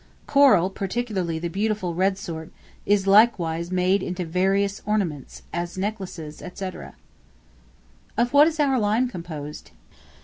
Coral, particularly the beautiful red sort, is likewise made into various ornaments, as necklaces, &c. Of what is our Lime composed?